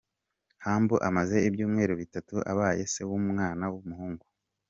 Humble amaze ibyumweru bitatu abaye se w'umwana w'umuhungu.